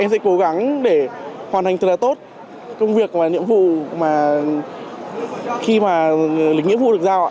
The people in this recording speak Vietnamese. em sẽ cố gắng để hoàn thành thật là tốt công việc và nhiệm vụ mà khi mà lính nghĩa vụ được giao ạ